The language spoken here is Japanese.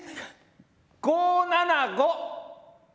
５７５。